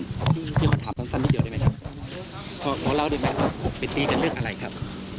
พี่ขอถามสั้นนิดเดียวได้ไหมครับขอเล่าได้ไหมว่าไปตีกันเรื่องอะไรครับ